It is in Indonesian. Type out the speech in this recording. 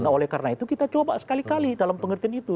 nah oleh karena itu kita coba sekali kali dalam pengertian itu